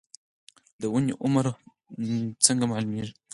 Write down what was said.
د ونې عمر څنګه معلومیږي؟